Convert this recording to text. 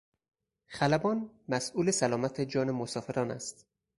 خلبان مسئول سلامت جان مسافران است.